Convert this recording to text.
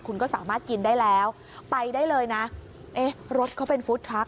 คุณก็สามารถกินได้แล้วไปได้เลยนะเอ๊ะรถเขาเป็นฟู้ดทรัค